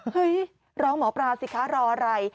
เฮ้ยร้องหมอปราสิคะรออะไร